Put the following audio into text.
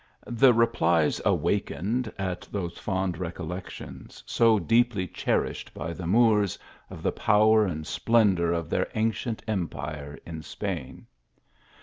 The replies awakened all those fond recollections, so deeply cherished by the Moors, of the power and splendour of their ancient empire in Spain.